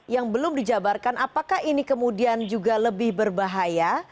yang belum dijabarkan apakah ini kemudian juga lebih berbahaya